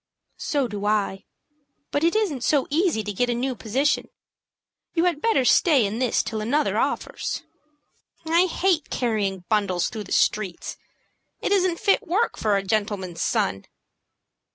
"So do I; but it isn't so easy to get a new position. You had better stay in this till another offers." "I hate carrying bundles through the streets. It isn't fit work for a gentleman's son."